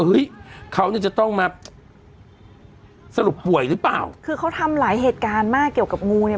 เฮ้ยเขาเนี่ยจะต้องมาสรุปป่วยหรือเปล่าคือเขาทำหลายเหตุการณ์มากเกี่ยวกับงูเนี่ย